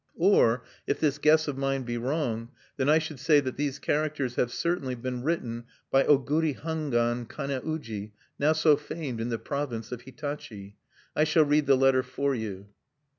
"Or, if this guess of mine be wrong, then I should say that these characters have certainly been written by Oguri Hangwan Kane uji, now so famed in the province of Hitachi.... I shall read the letter for you."